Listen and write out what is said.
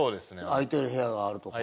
空いてる部屋があるとか。